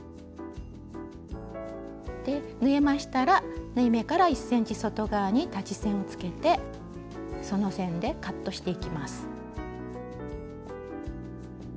縫えましたら縫い目から１ｃｍ外側に裁ち線をつけてその線でカットしていきます。